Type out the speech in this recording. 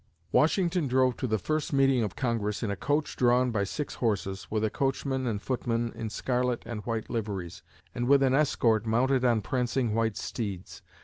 Washington drove to the first meeting of Congress in a coach drawn by six horses, with a coachman and footman in scarlet and white liveries, and with an escort mounted on prancing white steeds.